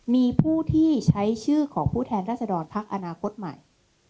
มีผู้ที่ใช้ชื่อของผู้แทนรัศดรพักอนาคตใหม่